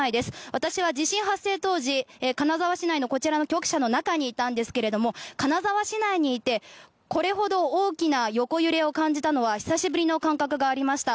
私は地震発生当時金沢市内のこちらの局社の中にいたんですけれども金沢市内にいてこれほど大きな横揺れを感じたのは久しぶりの感覚がありました。